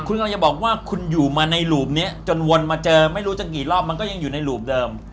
คุณกำลังจะบอกว่าคุณอยู่มาในหลูบนี้จนวนมาเจอไม่รู้จะกี่รอบมันก็ยังอยู่ในหลูบเดิม